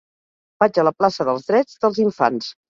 Vaig a la plaça dels Drets dels Infants.